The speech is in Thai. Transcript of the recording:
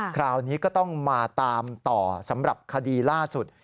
คราวนี้ก็ต้องมาตามต่อสำหรับคดีล่าสุด